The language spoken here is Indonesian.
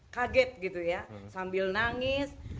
kaget gitu ya sambil nangis